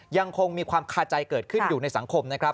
ยังคงมีความคาใจเกิดขึ้นอยู่ในสังคมนะครับ